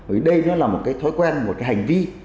vì đây nó là một cái thói quen một cái hành vi